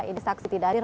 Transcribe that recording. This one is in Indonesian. ini saksi dadir